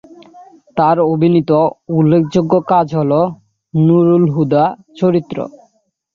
তার অভিনীত উল্লেখযোগ্য কাজ হল তার "নূরুল হুদা" চরিত্র।